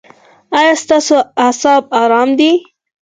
ایا ستاسو اعصاب ارام دي؟